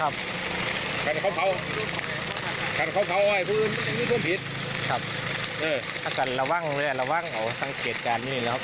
พี่ไปว่าขนป่า